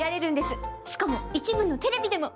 しかも一部のテレビでも。